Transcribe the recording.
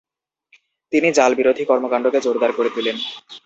তিনি জাল-বিরোধী কর্মকাণ্ডকে জোরদার করে তুলেন।